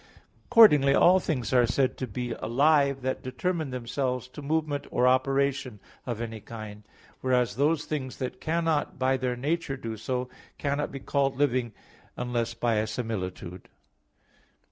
Accordingly all things are said to be alive that determine themselves to movement or operation of any kind: whereas those things that cannot by their nature do so, cannot be called living, unless by a similitude.